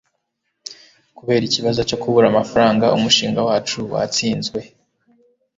Kubera ikibazo cyo kubura amafaranga, umushinga wacu watsinzwe.